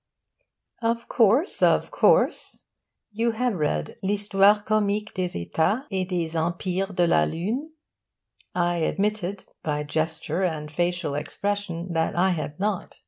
Of course, of course, you have read "L'Histoire Comique des états et des Empires de la Lune"?' I admitted, by gesture and facial expression, that I had not.